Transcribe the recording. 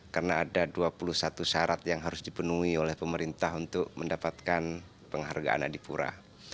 karena ada dua puluh satu syarat yang harus dipenuhi oleh pemerintah untuk mendapatkan penghargaan adipura